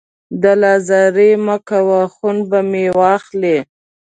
دل ازاري مه کوه، خون به مې واخلې